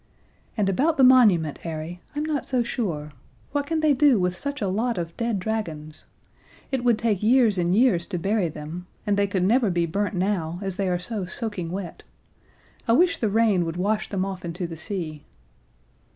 "And about the monument, Harry, I'm not so sure. What can they do with such a lot of dead dragons? It would take years and years to bury them, and they could never be burnt now they are so soaking wet. I wish the rain would wash them off into the sea."